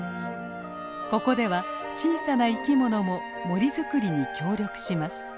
ここでは小さな生き物も森づくりに協力します。